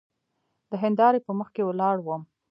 د هندارې په مخکې ولاړ وم.